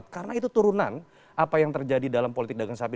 karena itu turunan apa yang terjadi dalam politik dagang sapi